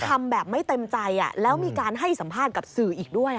ทำแบบไม่เต็มใจแล้วมีการให้สัมภาษณ์กับสื่ออีกด้วย